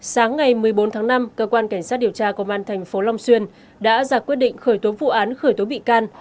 sáng ngày một mươi bốn tháng năm cơ quan cảnh sát điều tra công an thành phố long xuyên đã ra quyết định khởi tố vụ án khởi tố bị can